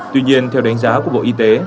tuy nhiên theo đánh giá của bộ y tế